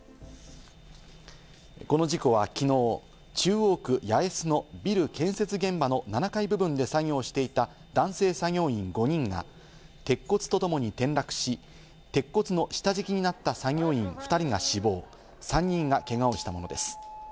この事故はきのう、中央区八重洲のビル建設現場の７階部分で作業していた男性作業員５人が、鉄骨と共に転落し、鉄骨の下敷きになった作業員２人が死亡、３人がけがをしたものです。